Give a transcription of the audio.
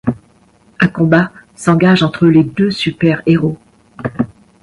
Un combat s'engage entre les deux super-héros.